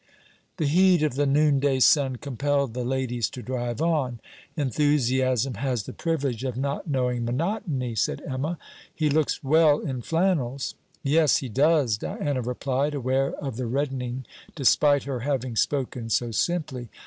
The heat of the noonday sun compelled the ladies to drive on. 'Enthusiasm has the privilege of not knowing monotony,' said Emma. 'He looks well in flannels.' 'Yes, he does,' Diana replied, aware of the reddening despite her having spoken so simply.